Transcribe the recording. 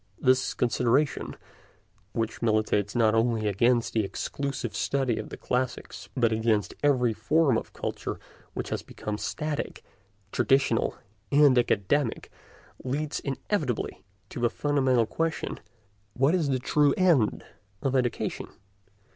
This consideration, which militates not only against the exclusive study of the classics, but against every form of culture which has become static, traditional, and academic, leads inevitably to the fundamental question: What is the true end of education?